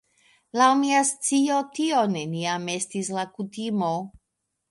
Laŭ mia scio tio neniam estis la kutimo.